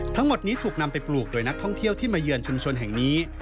ทั้งหมดนี้ถูกนำไปปลูกโดยนักท่องเที่ยวที่มาเยือนชุมชนแห่งนี้